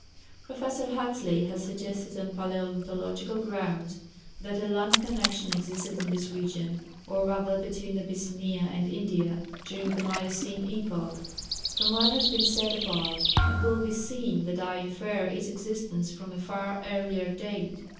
] Professor Huxley has suggested on palæontological grounds that a land connexion existed in this region (or rather between Abyssinia and India) during the Miocene epoch. From what has been said above it will be seen that I infer its existence from a far earlier date.